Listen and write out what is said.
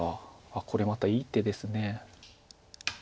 これまたいい手です。